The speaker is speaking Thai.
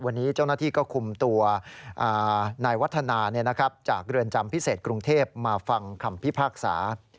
วันนี้เจ้าหน้าที่ก็คุมตัวนายวัฒนาจากเรือนจำพิเศษกรุงเทพมาฟังคำพิพากษา